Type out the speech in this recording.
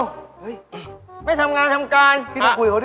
เฮ้ยไม่ทำงานทำการพี่มาคุยกับเขาดิ